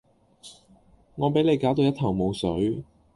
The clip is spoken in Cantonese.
我比你攪到一頭霧水